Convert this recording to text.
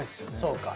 そうか。